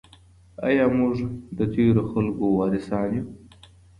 آیا موږ د تیرو خلګو وارثان یو؟